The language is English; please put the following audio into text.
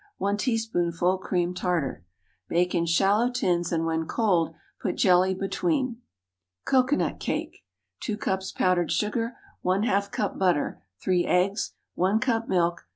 1 teaspoonful cream tartar. Bake in shallow tins, and when cold put jelly between. COCOANUT CAKE. ✠ 2 cups powdered sugar. ½ cup butter. 3 eggs. 1 cup milk.